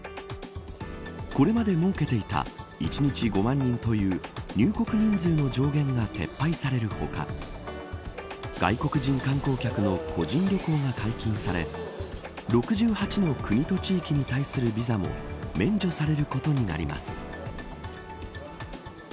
これまで設けていた１日５万人という入国人数の上限が撤廃される他外国人観光客の個人旅行が解禁され６８の国と地域に対するビザも免除されることになります。